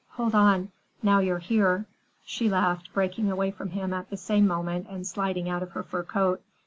Hold on, now you're here," she laughed, breaking away from him at the same moment and sliding out of her fur coat.